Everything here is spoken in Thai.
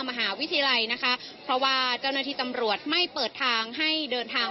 มหาวิทยาลัยนะคะเพราะว่าเจ้าหน้าที่ตำรวจไม่เปิดทางให้เดินทาง